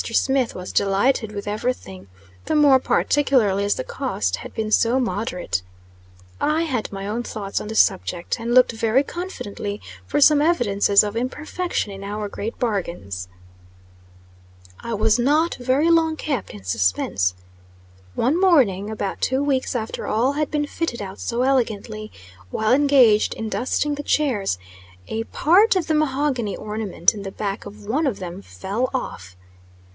Smith was delighted with everything; the more particularly as the cost had been so moderate. I had my own thoughts on the subject; and looked very confidently for some evidences of imperfection in our great bargains. I was not very long kept in suspense. One morning, about two weeks after all had been fitted out so elegantly, while engaged in dusting the chairs, a part of the mahogany ornament in the back of one of them fell off.